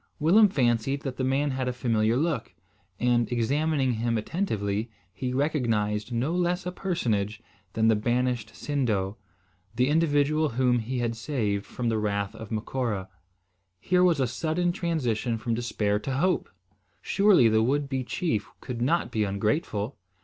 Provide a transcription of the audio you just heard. Willem fancied that the man had a familiar look, and, examining him attentively, he recognised no less a personage than the banished Sindo, the individual whom he had saved from the wrath of Macora. Here was a sudden transition from despair to hope. Surely the would be chief could not be ungrateful!